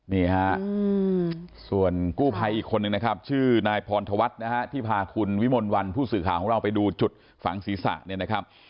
นี่ฮะส่วนกู้ภัยอีกคนนึงนะครับชื่อนายพรธวัฒน์นะฮะที่พาคุณวิมลวันผู้สื่อข่าวของเราไปดูจุดฝังศีรษะเนี่ยนะครับ